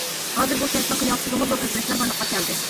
ھازىر بۇ كەنتنىڭ قىياپىتىدىمۇ زور ئۆزگىرىشلەر بارلىققا كەلدى.